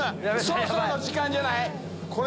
そろそろの時間じゃない？